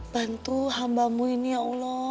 bantu hambamu ini ya allah